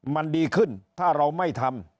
มันดีขึ้นถ้าเราไม่ทำ